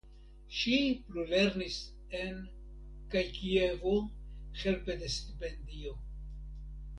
Ŝi plulernis en kaj Kievo helpe de stipendio.